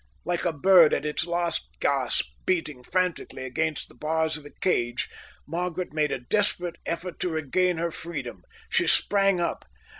Like a bird at its last gasp beating frantically against the bars of a cage, Margaret made a desperate effort to regain her freedom. She sprang up.